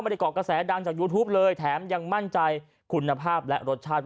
เกาะกระแสดังจากยูทูปเลยแถมยังมั่นใจคุณภาพและรสชาติ